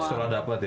oh setelah dapet ya